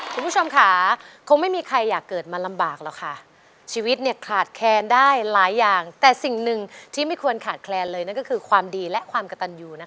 คุณผู้ชมค่ะคงไม่มีใครอยากเกิดมาลำบากหรอกค่ะชีวิตเนี่ยขาดแคลนได้หลายอย่างแต่สิ่งหนึ่งที่ไม่ควรขาดแคลนเลยนั่นก็คือความดีและความกระตันยูนะคะ